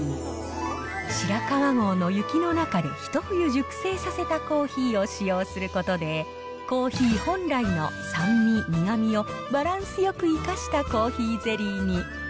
白川郷の雪の中で一冬熟成させたコーヒーを使用することで、コーヒー本来の酸味、苦みをバランスよく生かしたコーヒーゼリーに。